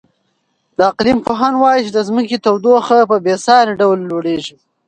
د اقلیم پوهان وایي چې د ځمکې تودوخه په بې ساري ډول لوړېږي.